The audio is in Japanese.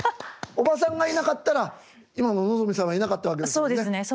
おばさんがいなかったら今の望海さんはいなかったわけですもんね。